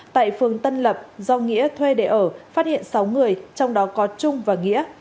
tại phường tân lập do nghĩa thuê để ở phát hiện sáu người trong đó có trung và nghĩa